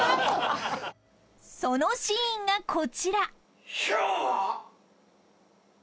［そのシーンがこちら］